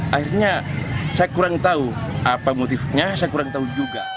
akhirnya saya kurang tahu apa motifnya saya kurang tahu juga